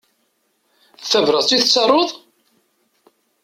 D tabrat i tettaruḍ?